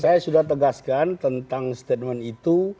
saya sudah tegaskan tentang statement itu